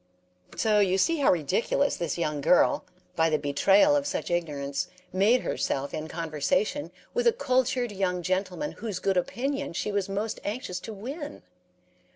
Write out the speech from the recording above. "'" So you see how ridiculous this young girl, by the betrayal of such ignorance, made herself in conversation with a cultured young gentleman whose good opinion she was most anxious to win.